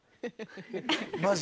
マジ？